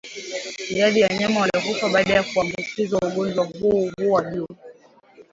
Idadi ya wanyama wanaokufa baada ya kuambukizwa ugonjwa huu huwa juu